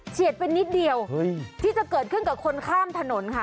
เฉียดไปนิดเดียวที่จะเกิดขึ้นกับคนข้ามถนนค่ะ